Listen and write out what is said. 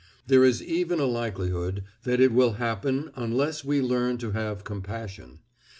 There is even a likelihood that it will happen unless we learn to have compassion.